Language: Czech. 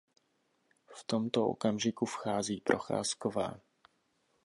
V tom okamžiku vchází Procházková.